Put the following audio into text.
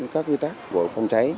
các quy tắc của phòng cháy